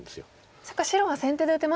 そっか白は先手で打てましたもんね。